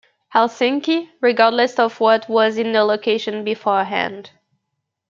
Helsinki, regardless of what was in the location beforehand.